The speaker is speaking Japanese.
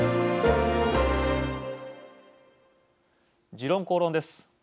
「時論公論」です。